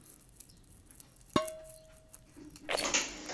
软叶茯苓菊